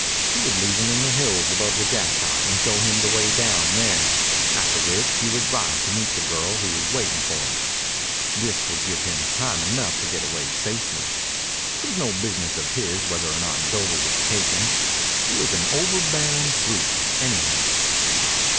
He would leave him in the hills above the Jackpot and show him the way down there, after which he would ride to meet the girl who was waiting for him. This would give him time enough to get away safely. It was no business of his whether or not Doble was taken. He was an overbearing brute, anyhow.